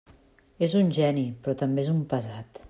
És un geni, però també és un pesat.